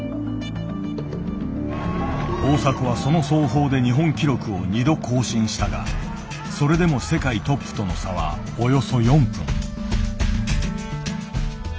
大迫はその走法で日本記録を２度更新したがそれでも世界トップとの差はおよそ４分。